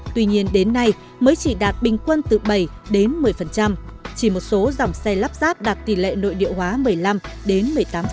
tuy nhiên đến nay mới chỉ đạt bình quân từ bảy đến một mươi chỉ một số dòng xe lắp ráp đạt tỷ lệ nội địa hóa một mươi năm đến một mươi tám